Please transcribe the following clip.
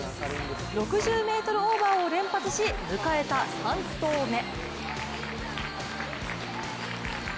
６０ｍオーバーを連発し迎えた３投目。